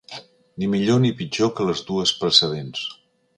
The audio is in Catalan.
Ni millor ni pitjor que les dues precedents.